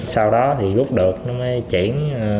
sau đó thì rút được nó mới chuyển